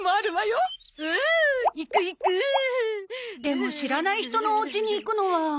でも知らない人のお家に行くのは。